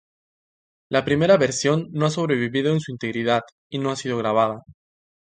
La primera versión no ha sobrevivido en su integridad, y no ha sido grabada.